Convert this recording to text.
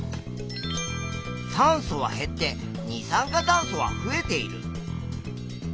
酸素は減って二酸化炭素は増えている。